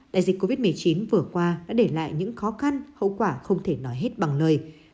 đại dịch covid một mươi chín vừa qua đã để lại những khó khăn hậu quả không thể nói hết bằng lời